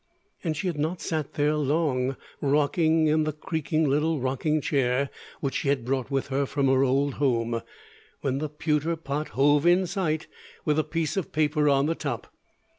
And she had not sat there long, rocking in the creaking little rocking chair which she had brought with her from her old home, when the pewter pot hove in sight, with a piece of paper on the top.